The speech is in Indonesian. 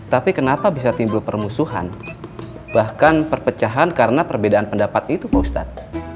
tapi kenapa bisa timbul permusuhan bahkan perpecahan karena perbedaan pendapat itu pak ustadz